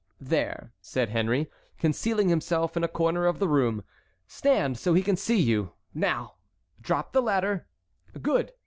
"There," said Henry, concealing himself in a corner of the room, "stand so he can see you; now drop the ladder; good!